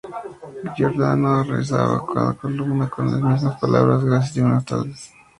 Giordano cerraba cada columna con las mismas palabras: "Gracias y buenas tardes".